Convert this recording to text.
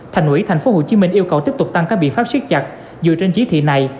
thành ủy thành phố hồ chí minh yêu cầu tiếp tục tăng các biện pháp siết chặt dựa trên chí thị này